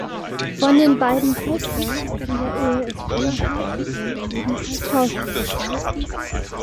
Von den beiden Töchtern aus dieser Ehe ist Hannah Herzsprung ebenfalls Schauspielerin.